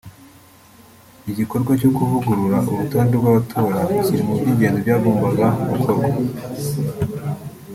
Igikorwa cyo kuvugurura urutonde rw’abatora kiri mu by’ingenzi byagombaga gukorwa